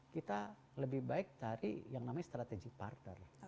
kita lebih baik cari yang namanya strategy partner